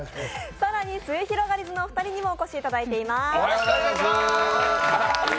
更にすゑひろがりずのお二人にもお越しいただいています。